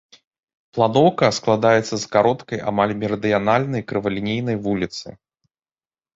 Планоўка складаецца з кароткай, амаль мерыдыянальнай крывалінейнай вуліцы.